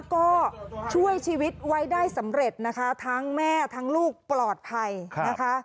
ก็ช่วยชีวิตไว้ได้สำเร็จนะคะทั้งแม่ทั้งลูกปลอดภัยนะคะ